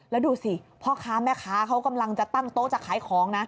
แล้วดูสิพ่อค้าแม่ค้าเขากำลังจะตั้งโต๊ะจะขายของนะ